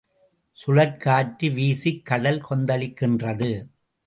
சுழற் காற்று வீசிக் கடல் கொந்தளிக்கின்றது.